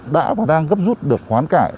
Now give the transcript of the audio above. đã và đang gấp rút được khoán cải